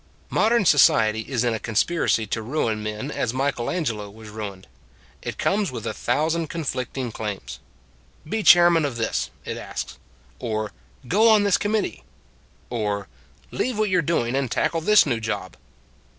Modern society is in a conspiracy to ruin men as Michelangelo was ruined. It comes with a thousand conflicting claims. " Be chairman of this," it asks; or " Go on this committee "; or " Leave what you are doing and tackle this new job."